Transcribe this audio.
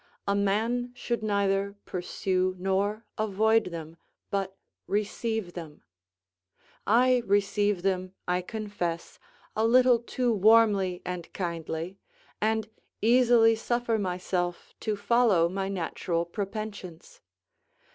A man should neither pursue nor avoid them, but receive them. I receive them, I confess, a little too warmly and kindly, and easily suffer myself to follow my natural propensions.